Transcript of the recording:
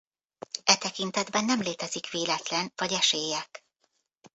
E tekintetben nem létezik véletlen vagy esélyek.